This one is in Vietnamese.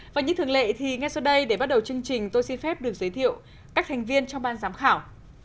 và như thường lệ thì ngay sau đây để bắt đầu chương trình tôi xin phép được giới thiệu các thành viên trong ban giám khảo